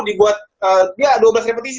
dia buat dua belas repetisi